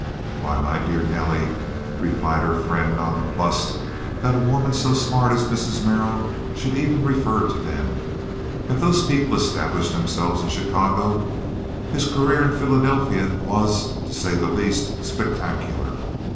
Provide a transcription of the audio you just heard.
"Why, my dear Nellie," replied her friend, nonplussed that a woman so smart as Mrs. Merrill should even refer to them, "have those people established themselves in Chicago? His career in Philadelphia was, to say the least, spectacular.